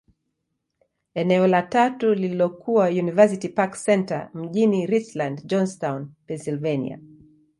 Eneo la tatu lililokuwa University Park Centre, mjini Richland, Johnstown, Pennyslvania.